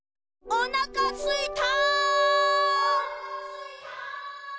おなかすいた！